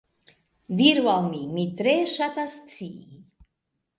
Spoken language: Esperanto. Diru al mi, mi tre ŝatas scii.